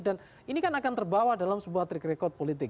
dan ini kan akan terbawa dalam sebuah trik rekod politik